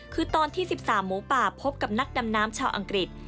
คือตอนที่๑๓หมูป่าพบกับนักดำน้ำชาวอังกฤษ